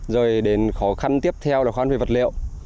rồi đến khó khăn tiếp theo là khó khăn về vật liệu